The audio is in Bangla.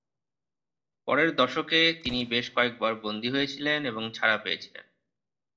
পরের দশকে, তিনি বেশ কয়েকবার বন্দী হয়েছিলেন এবং ছাড়া পেয়েছিলেন।